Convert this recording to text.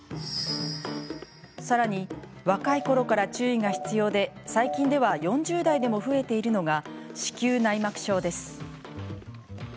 さらに若いころから注意が必要で最近では４０代でも増えているのが、子宮内膜症です。